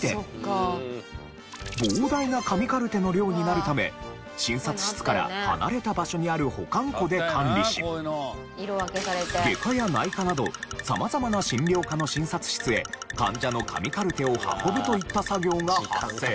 膨大な紙カルテの量になるため診察室から離れた場所にある保管庫で管理し外科や内科など様々な診療科の診察室へ患者の紙カルテを運ぶといった作業が発生。